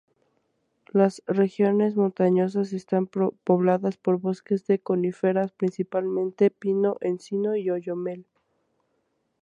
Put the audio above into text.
Las regiones montañosas están pobladas por bosques de coníferas, principalmente pino, encino y oyamel.